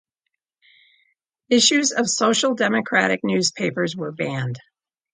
Issues of Social Democratic newspapers were banned.